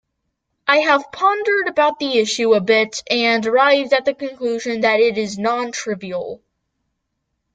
I have pondered about the issue a bit and arrived at the conclusion that it is non-trivial.